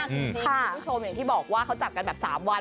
จริงคุณผู้ชมอย่างที่บอกว่าเขาจับกันแบบ๓วัน